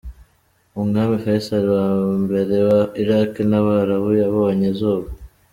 Umwami Faisal wa mbere wa Iraq n’abarabu yabonye izuba.